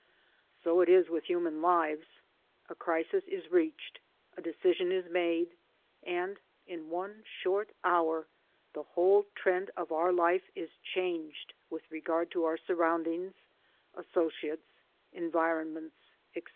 So it is with human lives — a crisis is reached, a decision is made, and in one short hour the Avhole trend of our life is changed with regard to our surroundings, associates, environments, etc.